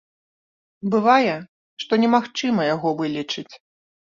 Бывае, што немагчыма яго вылічыць.